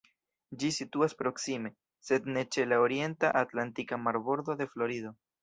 Ĝi situas proksime, sed ne ĉe la orienta atlantika marbordo de Florido.